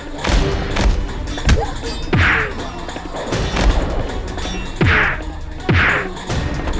terima kasih mas